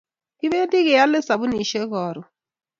Kipendi keyale sabunishek karun